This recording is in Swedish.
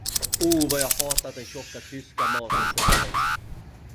O, vad jag har hatat den tjocka tyska maten sedan dess.